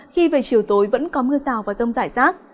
khi về chiều tối vẫn có mưa rào và rông rải rác